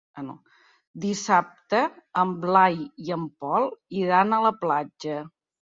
Dissabte en Blai i en Pol iran a la platja.